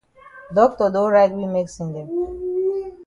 Doctor don write we medicine dem.